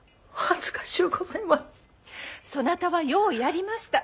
そなたはようやりました。